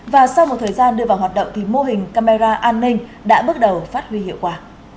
và sau một thời gian đưa vào hoạt động thì mô hình camera an ninh đã bước đầu phát huy hiệu quả